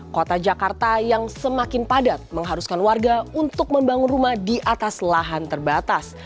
kota jakarta yang semakin padat mengharuskan warga untuk membangun rumah di atas lahan terbatas